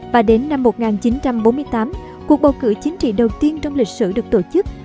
và đến năm một nghìn chín trăm bốn mươi tám cuộc bầu cử chính trị đầu tiên trong lịch sử được tổ chức